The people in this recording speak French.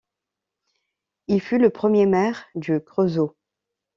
Il fut le premier maire du Creusot.